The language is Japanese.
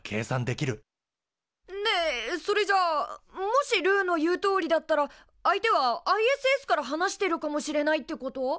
ねえそれじゃあもしルーの言うとおりだったら相手はＩＳＳから話してるかもしれないってこと？